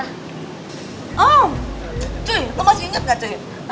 oh cuy lo masih inget gak cuy